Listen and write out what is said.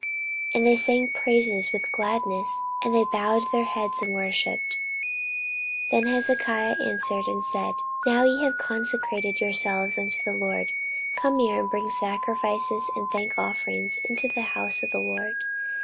And they sang praises with gladness, and they bowed their heads and worshipped. 14:029:031 Then Hezekiah answered and said, Now ye have consecrated yourselves unto the LORD, come near and bring sacrifices and thank offerings into the house of the LORD.